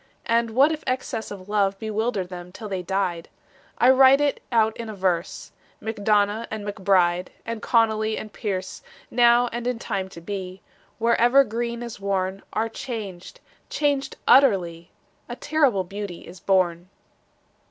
And what if excess of love Bewildered them till they died? I write it out in a verse MacDonagh and MacBride And Connolly and Pearse Now and in time to be, Wherever green is worn, Are changed, changed utterly: A terrible beauty is born.